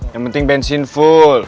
yang penting bensin full